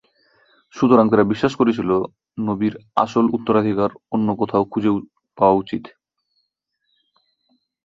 সুতরাং তারা বিশ্বাস করেছিল, নবীর আসল উত্তরাধিকার অন্য কোথাও খুঁজে পাওয়া উচিত।